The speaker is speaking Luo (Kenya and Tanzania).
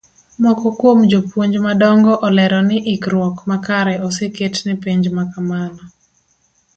Moko kuom jo puonj madongo olero ni ikruok makare oseket ne penj makamano.